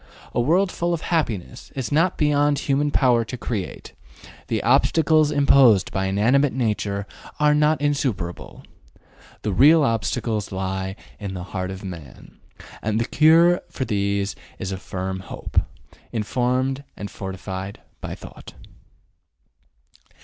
A world full of happiness is not beyond human power to create; the obstacles imposed by inanimate nature are not insuperable. The real obstacles lie in the heart of man, and the cure for these is a firm hope, informed and fortified by thought.